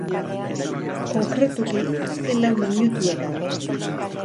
Konkretuki, azken lau minutuetan.